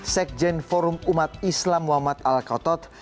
sekjen forum umat islam muhammad al kotot